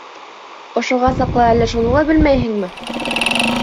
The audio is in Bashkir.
Ошоға саҡлы әллә шуны ла белмәйһеңме?